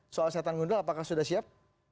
soal setan gundul apakah sudah siap